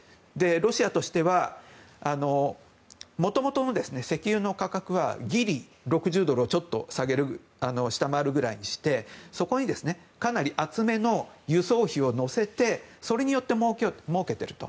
ロシアとしては元々の石油の価格はギリ、６０ドルをちょっと下回るぐらいにしてそこにかなり厚めの輸送費を乗せてそれによってもうけていると。